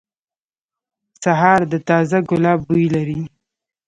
سهار د تازه ګلاب بوی لري.